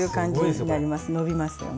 伸びますよね。